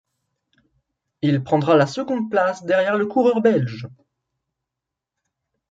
Il prendra la seconde place derrière le coureur belge.